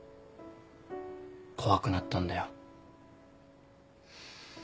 怖くなったんだよ。